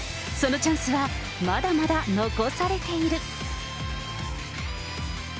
そのチャンスはまだまだ残されている。